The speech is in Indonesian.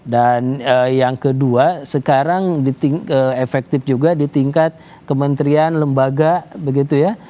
dan yang kedua sekarang efektif juga di tingkat kementerian lembaga begitu ya